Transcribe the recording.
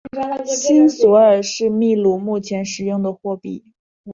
新索尔是秘鲁目前使用的货币。